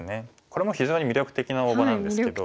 これも非常に魅力的な大場なんですけど。